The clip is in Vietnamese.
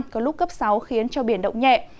có lúc cấp sáu khiến cho biển động nhẹ